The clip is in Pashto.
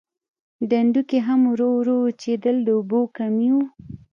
ډنډونکي هم ورو ورو وچېدل د اوبو کمی و.